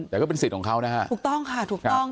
แต่ก็เป็นสิทธิ์ของเขานะฮะถูกต้องค่ะถูกต้อง